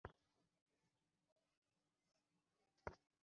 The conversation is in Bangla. যা হোক, বিয়ের প্রস্তাবটা তা হলে স্থির?